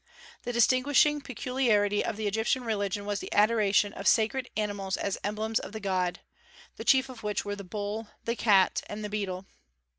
The distinguishing peculiarity of the Egyptian religion was the adoration of sacred animals as emblems of the gods, the chief of which were the bull, the cat, and the beetle.